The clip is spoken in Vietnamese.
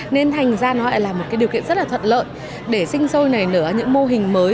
nên thành ra nó là một điều kiện rất là thuận lợi để sinh sôi nở những mô hình mới